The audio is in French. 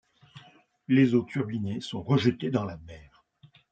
Les eaux turbinées sont rejetées dans la mer.